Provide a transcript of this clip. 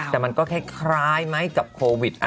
แต่มันก็คล้ายไหมกับโควิด